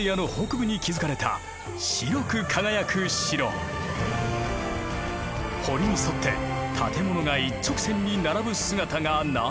堀に沿って建物が一直線に並ぶ姿が何とも美しい。